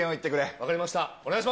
分かりました。